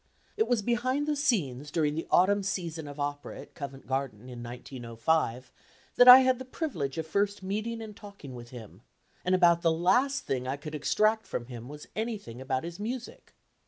It was behind the scenes during the autumn season of opera at Covent Garden in 1905 that I had the privilege of first meeting and talking with him, and about the last thing I could extract from him was anything about his music.